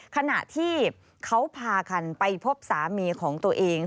ขณะที่เขาพากันไปพบสามีของตัวเอง